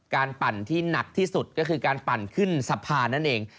ปั่นที่หนักที่สุดก็คือการปั่นขึ้นสะพานนั่นเอง